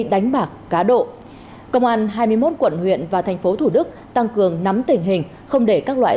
đánh bạc cá độ công an hai mươi một quận nguyện và tp thủ đức tăng cường nắm tình hình không để các loại